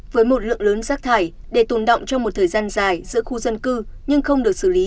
với một lượng lớn rác thải để tồn động trong một thời gian dài giữa khu dân cư nhưng không được xử lý